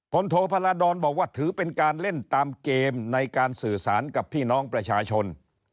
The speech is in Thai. โทพาราดรบอกว่าถือเป็นการเล่นตามเกมในการสื่อสารกับพี่น้องประชาชน